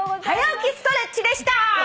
「はや起きストレッチ」でした！